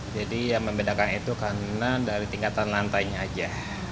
jadi yang membedakan itu karena dari tingkatan lantainya saja